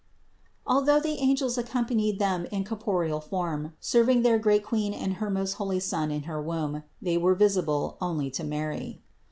Although the angels accompanied them in cor poreal form, serving their great Queen and her most holy Son in her womb, they were visible only to Mary.